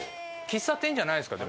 喫茶店じゃないですか？